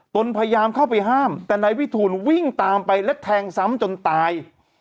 ตนพยายามเข้าไปห้ามแต่นายวิทูลวิ่งตามไปและแทงซ้ำจนตาย